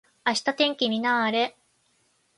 明日天気にな～れ。